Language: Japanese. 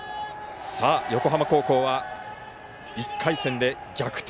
横浜高校は１回戦で逆転